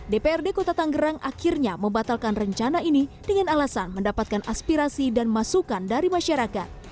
dprd kota tanggerang akhirnya membatalkan rencana ini dengan alasan mendapatkan aspirasi dan masukan dari masyarakat